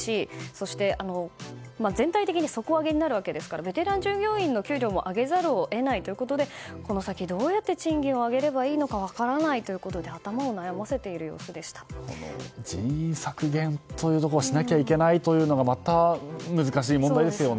そして全体的に底上げになるわけですからベテラン従業員の給料も上げざるを得ないということでこの先どうやって賃金を上げればいいのか分からないということで人員削減をしなきゃいけないというのがまた難しい問題ですよね。